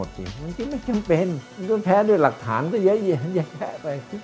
มันจริงไม่จำเป็นแพ้ด้วยหลักฐานก็เยอะแยะแค่อะไร